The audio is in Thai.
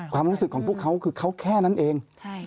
ความรู้สึกของพวกเขาคือเขาแค่นั้นเอง